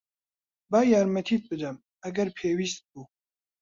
با یارمەتیت بدەم، ئەگەر پێویست بوو.